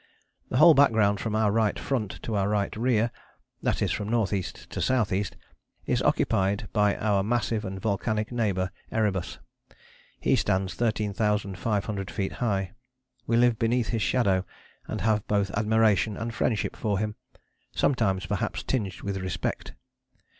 The whole background from our right front to our right rear, that is from N.E. to S.E., is occupied by our massive and volcanic neighbour, Erebus. He stands 13,500 feet high. We live beneath his shadow and have both admiration and friendship for him, sometimes perhaps tinged with respect.